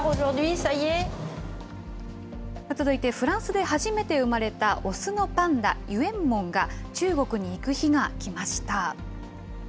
続いてフランスで初めて産まれた雄のパンダ、ユエンモンが中国に行く日が来ました。